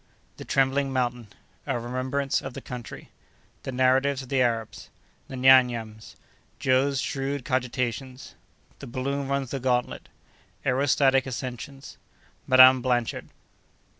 —The Trembling Mountain.—A Remembrance of the Country.—The Narratives of the Arabs.—The Nyam Nyams.—Joe's Shrewd Cogitations.—The Balloon runs the Gantlet.—Aerostatic Ascensions.—Madame Blanchard.